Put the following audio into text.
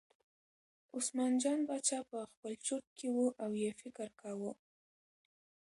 عثمان جان باچا په خپل چورت کې و او یې فکر کاوه.